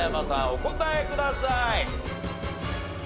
お答えください。